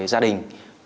với gia đình